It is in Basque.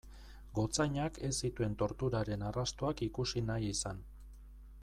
Gotzainak ez zituen torturaren arrastoak ikusi nahi izan.